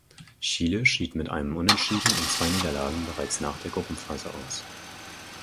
Chile schied mit einem Unentschieden und zwei Niederlagen bereits nach der Gruppenphase aus.